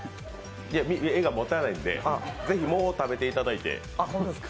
画がもたないのでぜひ、もう食べていただいて。